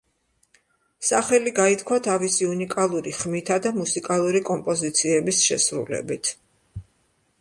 სახელი გაითქვა თავისი უნიკალური ხმითა და მუსიკალური კომპოზიციების შესრულებით.